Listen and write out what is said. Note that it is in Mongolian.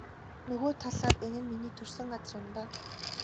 Нөгөө талаар энэ нь миний төрсөн газар юм даа.